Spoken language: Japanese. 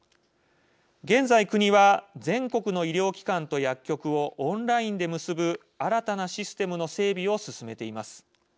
現在国は全国の医療機関と薬局をオンラインで結ぶ新たなシステムの整備を進めています。